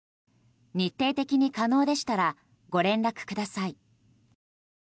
日程的に可能でしたらご連絡ください。